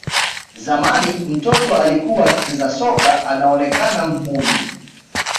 Zamani mtoto alikuwa akicheza soka anaonekana mhuni